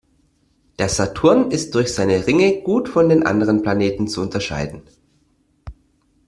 Der Saturn ist durch seine Ringe gut von den anderen Planeten zu unterscheiden.